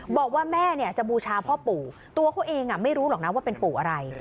บอกว่าแม่เนี่ยจะบูชาพ่อปู่ตัวเขาเองไม่รู้หรอกนะว่าเป็นปู่อะไร